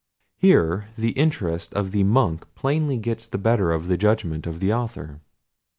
Here the interest of the Monk plainly gets the better of the judgment of the author.